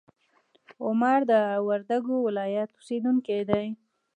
عمر د وردګو ولایت اوسیدونکی دی.